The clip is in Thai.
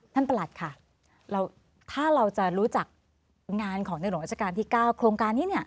ท่านประหลัดค่ะถ้าเราจะรู้จักงานของนักหนุ่มวัชการที่๙โครงการนี้